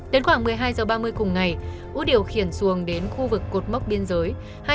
đến khoảng một mươi hai h ba mươi cùng ngày út điều khiển xuồng đến khu vực cột mốc biên giới hai trăm sáu mươi ba hai